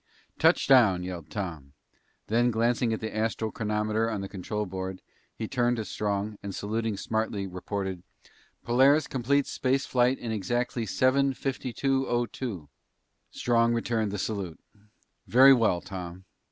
"Touchdown!" yelled Tom. Then, glancing at the astral chronometer on the control board, he turned to Strong, and saluting smartly, reported, "Polaris completes space flight at exactly seven fifty two O two!" Strong returned the salute. "Very well, Tom.